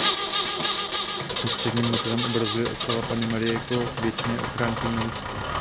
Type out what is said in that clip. Ústředním motivem obrazu je oslava Panny Marie jako věčné ochránkyně lidstva.